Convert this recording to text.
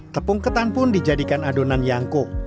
tepung ketan pun dijadikan adonan yangkung